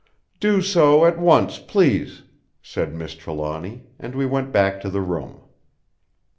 "Do so at once, please!" said Miss Trelawny; and we went back to the room.